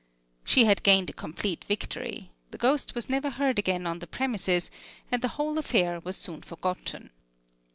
She had gained a complete victory; the ghost was never heard again on the premises, and the whole affair was soon forgotten.